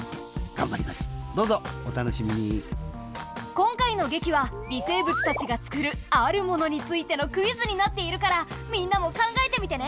今回の劇は微生物たちが作るあるものについてのクイズになっているからみんなも考えてみてね。